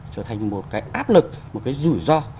trở thành một cái áp lực một cái rủi ro